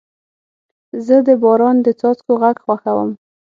زه د باران د څاڅکو غږ خوښوم.